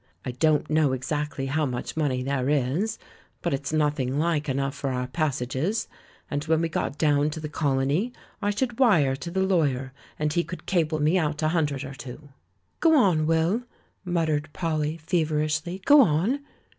I don't know exactly how much money there is, but it's nothing like enough for our passages, and when we got down to the Col ony I should wire to the lawyer, and he could cable me out a hundred or two." "Go on. Will," muttered Polly feverishly, "go on!"